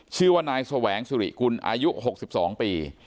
ชื่อว่านายสวแหวงสุริกุลอายุหกสิบสองปี